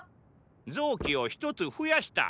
臓器を１つ増やした。